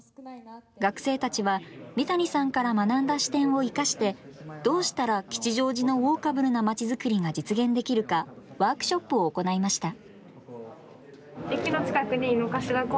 学生たちは三谷さんから学んだ視点を生かしてどうしたら吉祥寺のウォーカブルなまちづくりが実現できるかワークショップを行いました。